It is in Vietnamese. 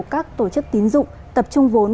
các tổ chức tín dụng tập trung vốn